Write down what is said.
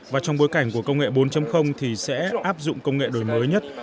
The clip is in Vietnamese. và trong bối cảnh của công nghệ bốn thì sẽ áp dụng công nghệ đổi mới nhất